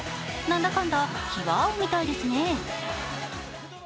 なんだかんだ気は合うみたいですね。